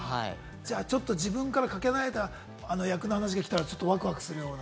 自分からかけ離れた役の話が来たらワクワクするような。